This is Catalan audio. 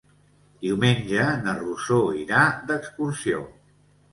Diumenge na Rosó irà d'excursió.